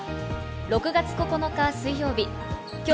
６月９日、水曜日。